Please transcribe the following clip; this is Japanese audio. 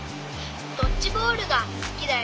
ドッジボールがすきだよ。